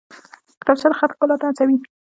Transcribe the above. کتابچه د خط ښکلا ته هڅوي